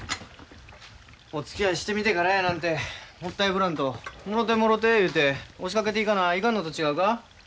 おつきあいしてみてからやなんてもったいぶらんともろてもろて言うて押しかけていかないかんのと違うか。